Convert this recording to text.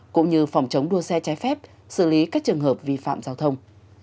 cũng như phòng chống đua xe trái phép xử lý các trường hợp vi phạm giao thông